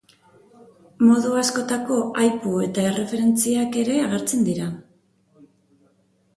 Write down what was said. Modu askotako aipu eta erreferentziak ere agertzen dira.